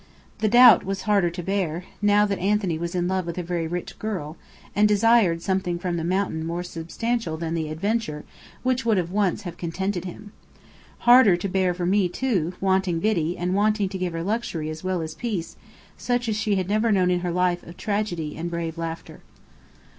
The doubt was harder to bear, now that Anthony was in love with a very rich girl, and desired something from the mountain more substantial than the adventure which would once have contented him. Harder to bear for me, too, wanting Biddy and wanting to give her luxury as well as peace, such as she had never known in her life of tragedy and brave laughter.